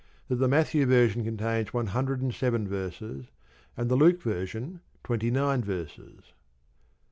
That the Matthew version contains one hundred and seven verses, and the Luke version twenty nine verses.